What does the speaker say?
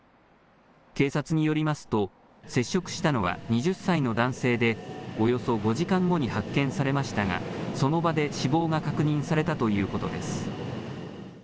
警察によりますと、接触したのは、２０歳の男性で、およそ５時間後に発見されましたが、その場で死亡が確認されたということです。